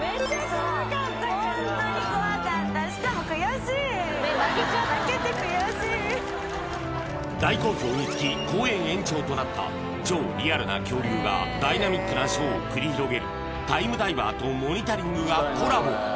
負けて悔しい大好評につき公演延長となった超リアルな恐竜がダイナミックなショーを繰り広げる「ＴＩＭＥＤＩＶＥＲ」と「モニタリング」がコラボ